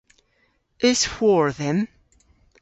Eus hwor dhymm?